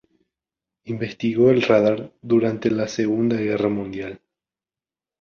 Investigó el radar durante la Segunda Guerra Mundial.